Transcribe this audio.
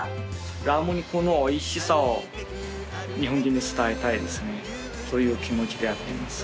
ラム肉のおいしさを日本人に伝えたいですね。という気持ちでやってます。